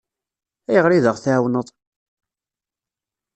Ayɣer i d-aɣ-tɛawneḍ?